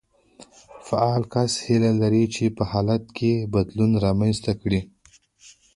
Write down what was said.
فعال کس هيله لري چې په حالت کې بدلون رامنځته کړي.